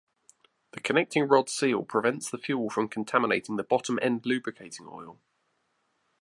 The connecting-rod seal prevents the fuel from contaminating the bottom-end lubricating oil.